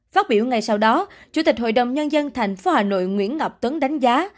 phát biểu ngay sau đó chủ tịch hội đồng nhân dân tp hà nội nguyễn ngọc tuấn đánh giá